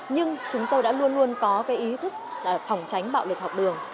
nhưng chúng tôi đã luôn luôn có cái ý thức là phòng tránh bạo lực học đường